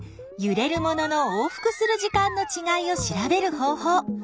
ゆれるものの往復する時間のちがいを調べる方法。